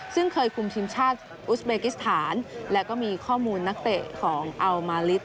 ซึ่งเคยคุมทีมชาติอุสเบกิสถานและก็มีข้อมูลนักเตะของอัลมาลิส